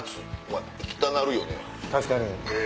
確かに。